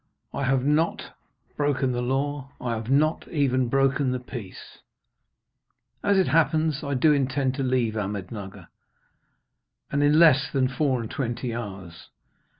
I have not broken the law. I have not even broken the peace. As it happens, I do intend to leave Ahmednugger, and in less than four and twenty hours.